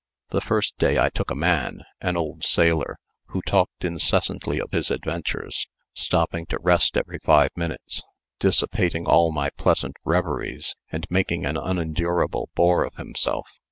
The first day I took a man, an old sailor, who talked incessantly of his adventures, stopping to rest every five minutes, dissipating all my pleasant reveries, and making an unendurable bore of himself.